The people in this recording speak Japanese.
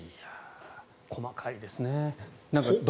細かいですね。